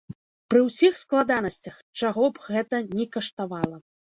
Пры ўсіх складанасцях, чаго б гэта ні каштавала!